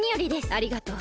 ありがとう。